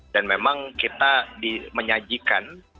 dan memang kita menyajikan